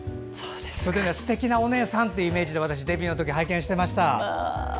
すてきなお姉さんというイメージで、デビューのとき拝見していました。